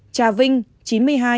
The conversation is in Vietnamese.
trà vinh chín mươi hai